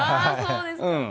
うん。